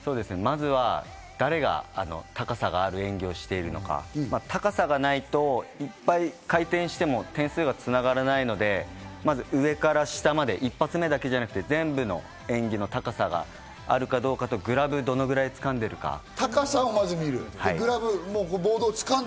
まずは誰が高さがある演技をしているのか、高さがないといっぱい回転しても点数に繋がらないので、まず上から下まで１発目だけじゃなくて、全部の演技の高さがあるかどうかと、グラブ、どれぐらい掴んでいるか。